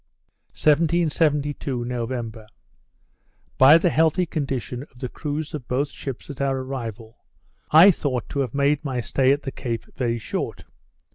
1772 November By the healthy condition of the crews of both ships at our arrival, I thought to have made my stay at the Cape very short.